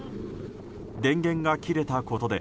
電源が切れたことで